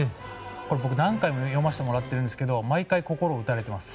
僕、何回も読ませてもらったんですけど毎回、心打たれてます。